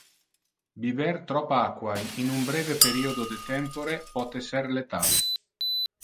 Biber trop aqua in un breve periodo de tempore pote ser letal.